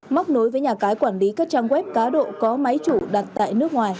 móc nối với nhà cái quản lý các trang web cá độ có máy chủ đặt tại nước ngoài